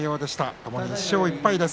ともに１勝１敗です。